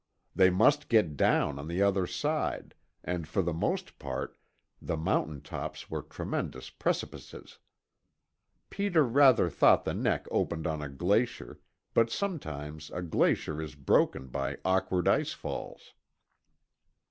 They must get down on the other side, and, for the most part, the mountain tops were tremendous precipices. Peter rather thought the neck opened on a glacier, but sometimes a glacier is broken by awkward ice falls.